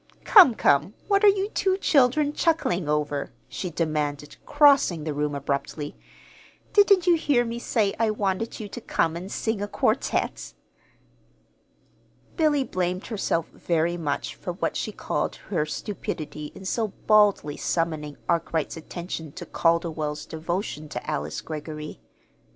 "Come, come, what are you two children chuckling over?" she demanded, crossing the room abruptly. "Didn't you hear me say I wanted you to come and sing a quartet?" Billy blamed herself very much for what she called her stupidity in so baldly summoning Arkwright's attention to Calderwell's devotion to Alice Greggory.